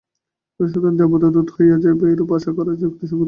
জনসাধারণ দেবদূত হইয়া যাইবে, এরূপ আশা করা যুক্তিযুক্ত নয়।